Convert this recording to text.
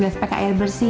biasa pakai air bersih ya